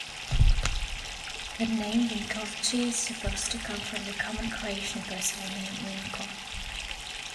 The name Vinkovci is supposed to come from the common Croatian personal name "Vinko".